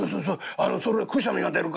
あのそれくっしゃみが出るか？」。